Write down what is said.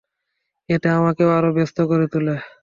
এতে আমাকে আরো ব্যস্ত করে তোলে।